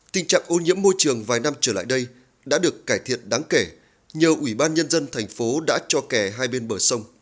tình trạng ô nhiễm môi trường vài năm trở lại đây đã được cải thiện đáng kể nhờ ủy ban nhân dân thành phố đã cho kẻ hai bên bờ sông